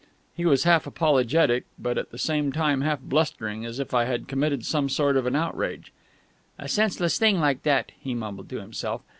He was half apologetic, but at the same time half blustering, as if I had committed some sort of an outrage. "A senseless thing like that!" he mumbled to himself.